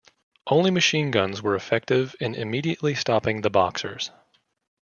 Only machine guns were effective in immediately stopping the Boxers.